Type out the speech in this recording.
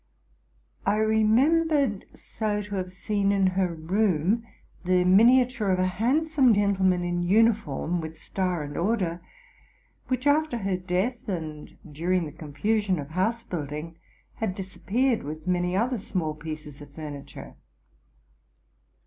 I remembered also to have seen in her room the miniature of a handsome gentleman in uniform, with star and order, which after her death, and during the con fusion of house building, had disappeared, with many other small pieces of furniture.